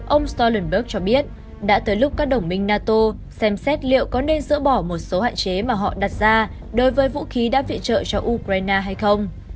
ông stolenberg cho biết đã tới lúc các đồng minh nato xem xét liệu có nên dỡ bỏ một số hạn chế mà họ đặt ra đối với vũ khí đã viện trợ cho ukraine hay không